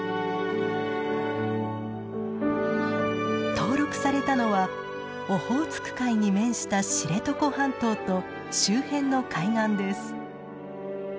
登録されたのはオホーツク海に面した知床半島と周辺の海岸です。